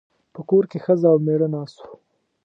په کور کې ښځه او مېړه ناست وو.